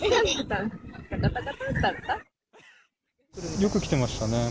よく来てましたね。